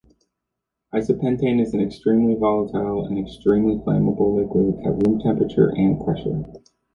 Isopentane is an extremely volatile and extremely flammable liquid at room temperature and pressure.